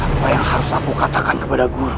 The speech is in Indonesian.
apa yang harus aku katakan kepada guru